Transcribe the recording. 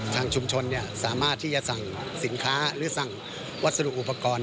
ทางชุมชนสามารถที่จะสั่งสินค้าหรือสั่งวัสดุอุปกรณ์